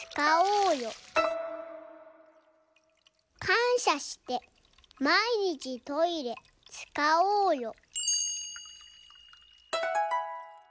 「かんしゃしてまいにちトイレつかおうよ」。